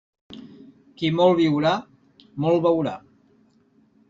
Qui molt viurà, molt veurà.